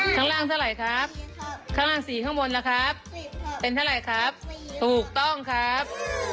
ข้างล่างเท่าไหร่ครับข้างล่างสี่ข้างบนล่ะครับเป็นเท่าไหร่ครับถูกต้องครับ